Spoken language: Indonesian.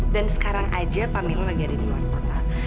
dan sekarang aja pamilo lagi ada di luar kota